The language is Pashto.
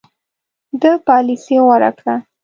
ده پالیسي غوره کړه.